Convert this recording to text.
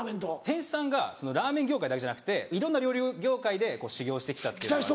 店主さんがラーメン業界だけじゃなくていろんな料理業界で修業してきたっていうのがあるんで。